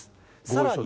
さらに。